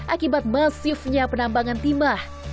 akibat masifnya penambangan timah